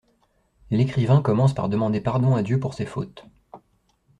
L'écrivain commence par demander pardon à Dieu pour ses fautes.